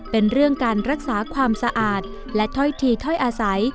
เป็นเรื่องการรักษาความสะอาดและถ้อยทีถ้อยอาศัย